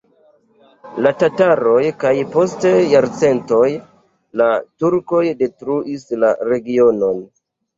La tataroj kaj post jarcentoj la turkoj detruis la regionon.